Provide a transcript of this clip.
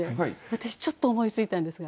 私ちょっと思いついたんですが。